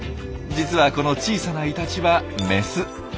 実はこの小さなイタチはメス。